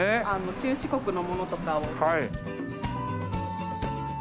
中四国のものとかを。